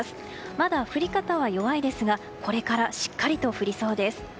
まだ降り方は弱いですがこれからしっかりと降りそうです。